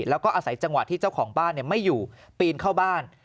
แล้วก็อาศัยจังหวะที่เจ้าของบ้านไม่อยู่ปีนเข้าบ้าน